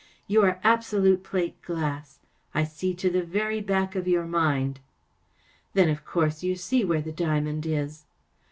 44 You are absolute plate glass. I see to the very back of your mind.‚ÄĚ ,4 Then, of course, you see where the diamond is